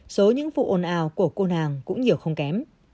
số những vụ ồn ào của cô nàng cũng nhiều không kém